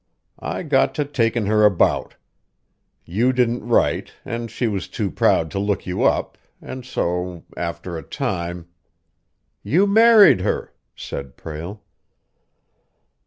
I got to taking her about. You didn't write, and she was too proud to look you up, and so after a time " "You married her," said Prale.